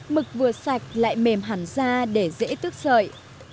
mực vừa sạch lại mềm hẳn ra để dễ tức sợi